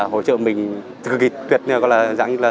hỗ trợ mình